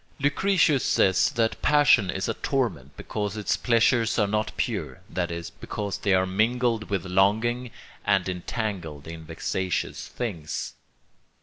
Lucretius says that passion is a torment because its pleasures are not pure, that is, because they are mingled with longing and entangled in vexatious things.